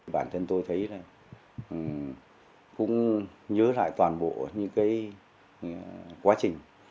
bản thân tôi thấy là cũng nhớ lại toàn bộ những cái quá trình